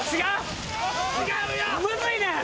むずいねん。